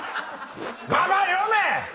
ババア読め！